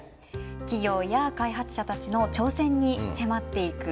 企業や開発者たちの挑戦に迫っていく。